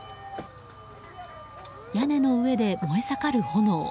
屋根の上で燃え盛る炎。